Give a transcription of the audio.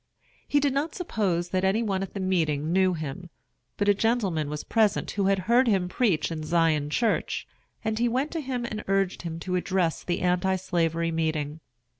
He did not suppose that any one in the meeting knew him; but a gentleman was present who had heard him preach in Zion Church, and he went to him and urged him to address the Anti Slavery meeting.